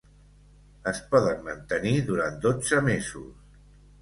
Es poden mantenir durant dotze mesos.